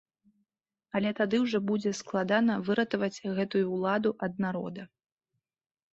Але тады ўжо будзе складана выратаваць гэтую ўладу ад народа.